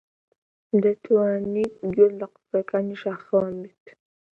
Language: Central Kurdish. دەتوانیت گوێت لە قسەکانی شاخەوان بێت؟